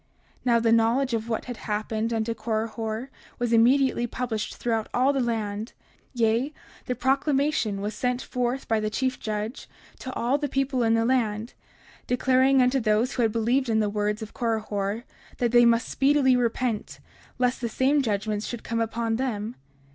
30:57 Now the knowledge of what had happened unto Korihor was immediately published throughout all the land; yea, the proclamation was sent forth by the chief judge to all the people in the land, declaring unto those who had believed in the words of Korihor that they must speedily repent, lest the same judgments would come unto them.